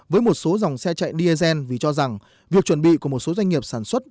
với một số dòng xe chạy diesel vì cho rằng việc chuẩn bị của một số doanh nghiệp sản xuất